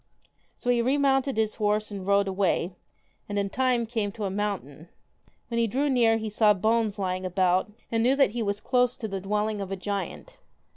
So he remounted his horse and rode away, and in time came to a mountain. When he drew near he saw bones lying about, and knew that he was close to the dwelling of a giant.